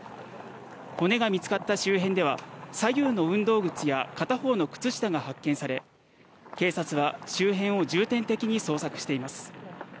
骨が見つかった周辺では左右の運動靴や片方の靴下が発見され、警察は周辺を重点的に捜索しています。